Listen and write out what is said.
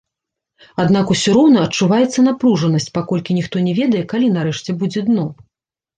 Аднак усё роўна адчуваецца напружанасць, паколькі ніхто не ведае, калі нарэшце будзе дно.